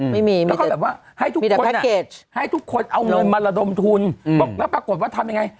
ไม่มีแล้วก็แบบว่าให้ทุกคนให้ทุกคนเอาเงินมาระดมทุนบอกแล้วปรากฏว่าทำยังไง